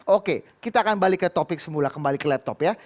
oke kita akan balik ke topik semula kembali ke laptop ya